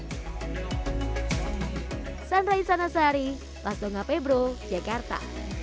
hai sandra isana sari las donga pebro jakarta